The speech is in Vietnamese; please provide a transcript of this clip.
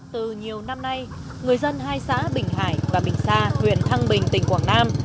từ nhiều năm nay người dân hai xã bình hải và bình sa huyện thăng bình tỉnh quảng nam